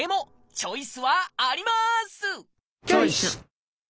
チョイス！